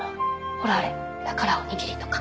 ほらあれだからおにぎりとか。